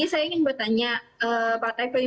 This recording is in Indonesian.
apa yang terjadi